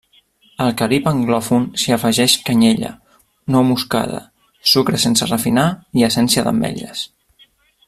Al Carib anglòfon s'hi afegeix canyella, nou moscada, sucre sense refinar, i essència d'ametlles.